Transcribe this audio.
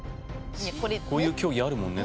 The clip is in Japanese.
こういう競技あるもんね。